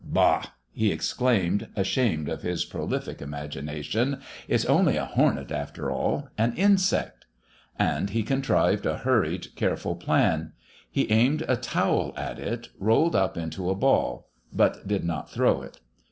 "Bah!" he exclaimed, ashamed of his prolific imagination. "It's only a hornet after all an insect!" And he contrived a hurried, careful plan. He aimed a towel at it, rolled up into a ball but did not throw it.